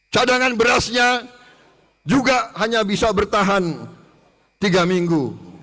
cadangan berasnya juga hanya bisa bertahan tiga minggu